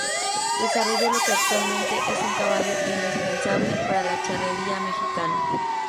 Desarrolló lo que actualmente es un caballo indispensable para la charrería mexicana.